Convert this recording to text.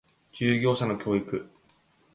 従業者の教育